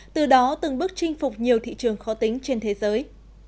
từ đó từng bước chinh phục nhiều thị trường khó tính trên thế giới